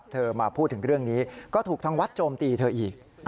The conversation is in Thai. มาพูดถึงเรื่องนี้ก็ถูกทางวัดโจมตีเธออีก